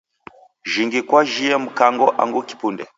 Jhingi kwajhie Mkango angu kipunde?